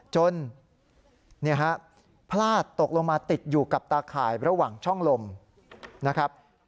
พลาดตกลงมาติดอยู่กับตาข่ายระหว่างช่องลมนะครับ